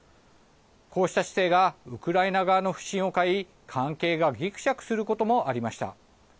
こうした姿勢がウクライナ側の不信を買い関係が、ぎくしゃくすることもありました。